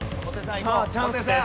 さあチャンスです。